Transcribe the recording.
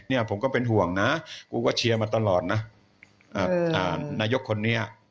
ผมก็เป็นห่วงนะกูก็เชียร์มาตลอดนะนายกคนนี้